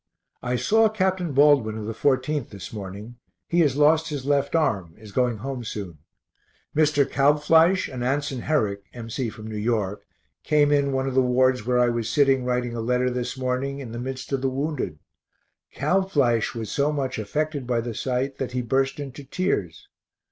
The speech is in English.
I saw Capt. Baldwin of the 14th this morning; he has lost his left arm is going home soon. Mr. Kalbfleisch and Anson Herrick, (M. C. from New York), came in one of the wards where I was sitting writing a letter this morning, in the midst of the wounded. Kalbfleisch was so much affected by the sight that he burst into tears.